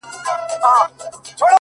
ستا د ميني پـــه كـــورگـــي كـــــي ـ